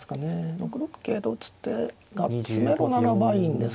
６六桂と打つ手が詰めろならばいいんですけどね。